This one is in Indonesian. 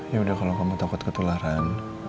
ya udah kalau kamu takut ketularan